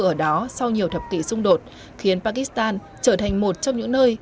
ở đó sau nhiều thập kỷ xung đột khiến pakistan trở thành một trong những nơi